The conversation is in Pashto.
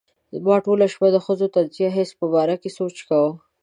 ما ټوله شپه د ښځو د طنزیه حس په باره کې سوچ کاوه.